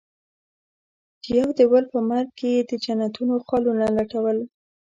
چې يو د بل په مرګ کې يې د جنتونو خالونه لټول.